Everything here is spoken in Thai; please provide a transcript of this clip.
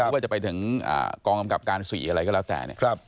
ว่าจะไปถึงกองกำกับการ๔อะไรก็แล้วแต่เนี่ย